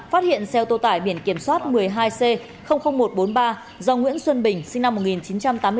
phát hiện xe ô tô tải biển kiểm soát một mươi hai c một trăm bốn mươi ba do nguyễn xuân bình sinh năm một nghìn chín trăm tám mươi bốn